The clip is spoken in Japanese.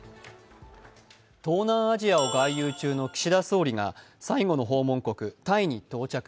東南アジアを外遊中の岸田総理が最後の訪問国、タイに到着。